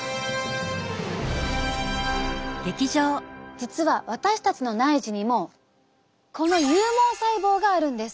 実は私たちの内耳にもこの有毛細胞があるんです。